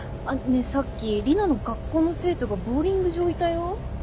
さっき里奈の学校の生徒がボウリング場いたよ？